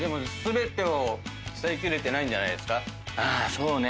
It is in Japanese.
そうね